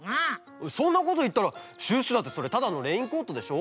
そんなこといったらシュッシュだってそれただのレインコートでしょ。